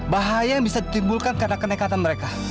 bahaya yang bisa ditimbulkan karena kenekatan mereka